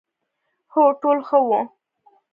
هو، ټول ښه وو،